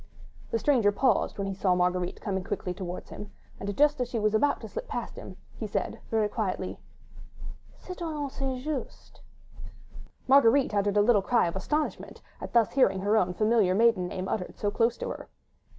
The stranger paused when he saw Marguerite coming quickly towards him, and just as she was about to slip past him, he said very quietly: "Citoyenne St. Just." Marguerite uttered a little cry of astonishment, at thus hearing her own familiar maiden name uttered so close to her.